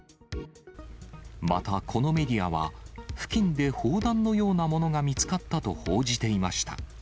またこのメディアは、付近で砲弾のようなものが見つかったと報じていました。